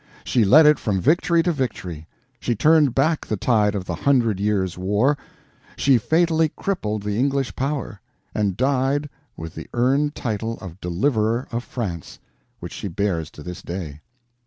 She led it from victory to victory, she turned back the tide of the Hundred Years' War, she fatally crippled the English power, and died with the earned title of DELIVERER OF FRANCE, which she bears to this day.